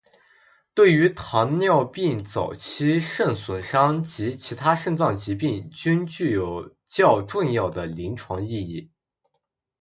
对于糖尿病早期肾损伤及其他肾脏疾病均具有较重要的临床意义。